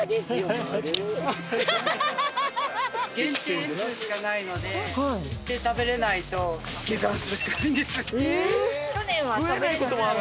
限定数しかないので行って食べられないと下山するしかないんです。